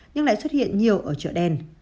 nhưng lại xuất hiện nhiều ở chợ đen